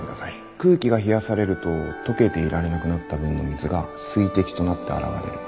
空気が冷やされると溶けていられなくなった分の水が水滴となって現れる。